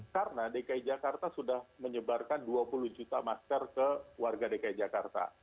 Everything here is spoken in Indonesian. karena dki jakarta sudah menyebarkan dua puluh juta masker ke warga dki jakarta